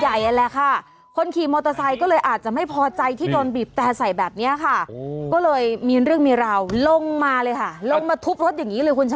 ไออันแล้วค่ะคนขีมหมอเตอร์ไซน์ก็เลยอาจจะไม่พอใจที่นอนบิดแต่ใส่แบบเนี้ยค่ะก็เลยมีเรื่องมีราวลงมาเลยค่ะแล้วถูกรถ